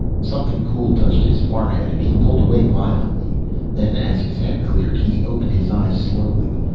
Something cool touched his forehead and he pulled away violently, then as his head cleared he opened his eyes slowly.